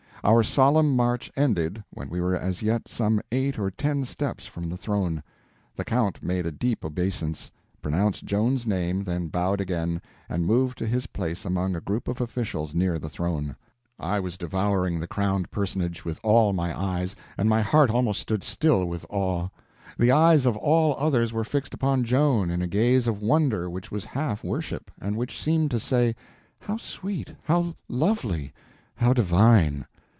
Our solemn march ended when we were as yet some eight or ten steps from the throne. The Count made a deep obeisance, pronounced Joan's name, then bowed again and moved to his place among a group of officials near the throne. I was devouring the crowned personage with all my eyes, and my heart almost stood still with awe. The eyes of all others were fixed upon Joan in a gaze of wonder which was half worship, and which seemed to say, "How sweet—how lovely—how divine!"